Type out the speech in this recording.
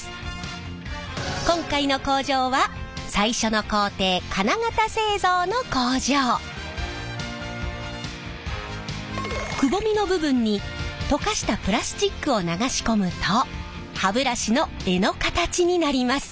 今回の工場は最初の工程くぼみの部分に溶かしたプラスチックを流し込むと歯ブラシの柄の形になります。